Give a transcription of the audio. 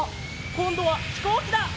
こんどはひこうきだ！